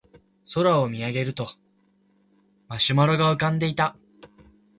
空を見上げるとマシュマロが浮かんでいた